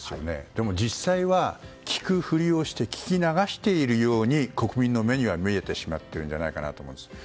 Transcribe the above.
でも実際は、聞くふりをして聞き流しているように国民の目には見えてしまっているんじゃないかなと思います。